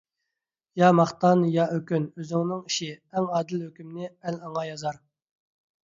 يا ماختان، يا ئۆكۈن ئۆزۈڭنىڭ ئىشى، ئەڭ ئادىل ھۆكۈمنى ئەل ئاڭا يازار.